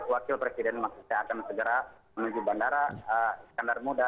wakil presiden masih akan segera menuju bandara